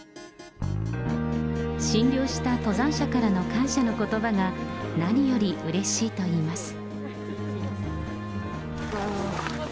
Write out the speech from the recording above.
診療した登山者からの感謝のことばが何よりうれしいといいます。